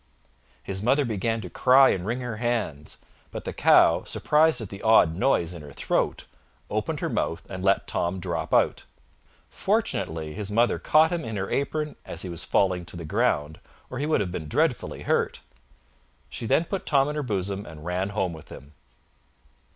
His mother began to cry and wring her hands; but the cow, surprised at the odd noise in her throat, opened her mouth and let Tom drop out. Fortunately his mother caught him in her apron as he was falling to the ground, or he would have been dreadfully hurt. She then put Tom in her bosom and ran home with him.